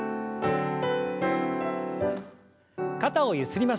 肩をゆすりましょう。